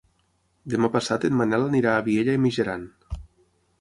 Demà passat en Manel anirà a Vielha e Mijaran.